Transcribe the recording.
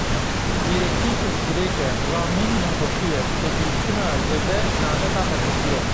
Zîrektî pirsgirêk e, ramîn nexweşî ye, têgihiştina zêde naleta heqîqî ye.